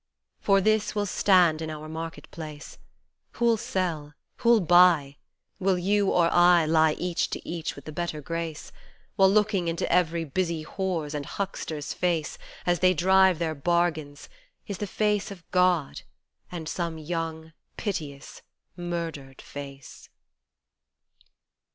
For this will stand in our Market place Who'll sell, who'll buy (Will you or I Lie each to each with the better grace) ? While looking into every busy whore's and huckster's face As they drive their bargains, is the Face Of God : and some young, piteous, murdered face.